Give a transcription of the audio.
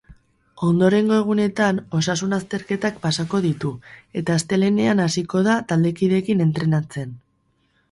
Ondorengo egunetan osasun-azterketak pasako ditu, eta astelehenean hasiko da taldekideekin entrenatzen.